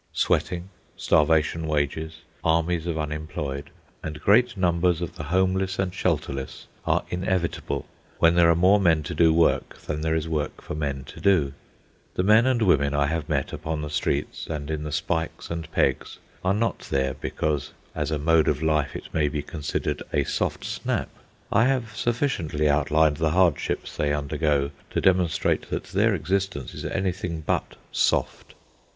Sweating, starvation wages, armies of unemployed, and great numbers of the homeless and shelterless are inevitable when there are more men to do work than there is work for men to do. The men and women I have met upon the streets, and in the spikes and pegs, are not there because as a mode of life it may be considered a "soft snap." I have sufficiently outlined the hardships they undergo to demonstrate that their existence is anything but "soft."